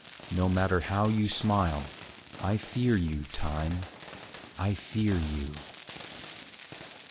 no matter how you smile, I fear you, Time, I fear you!